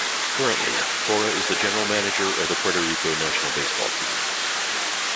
Currently, Cora is the General Manager of the Puerto Rico national baseball team.